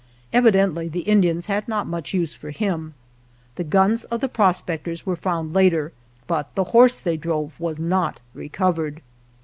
Evidently the Indians had not much use for him. The guns of the pros pectors were found later, but the horse they drove was not recovered.